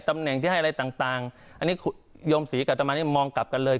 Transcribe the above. ตำแหน่งที่ให้อะไรต่างอันนี้โยมศรีกับอัตมานี่มองกลับกันเลย